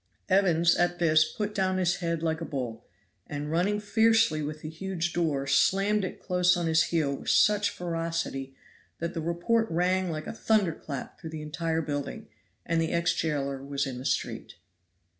Evans at this put down his head like a bull, and running fiercely with the huge door, slammed it close on his heel with such ferocity that the report rang like a thunder clap through the entire building, and the ex jailer was in the street.